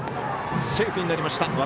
セーフになりました。